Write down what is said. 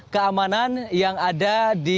keamanan yang ada di